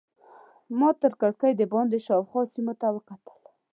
ما تر کړکۍ دباندې شاوخوا سیمو ته کتل.